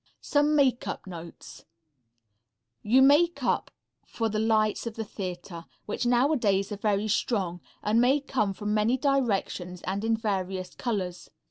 SOME MAKEUP NOTES You makeup for the lights of the theatre, which nowadays are very strong, and may come from many directions and in various colors.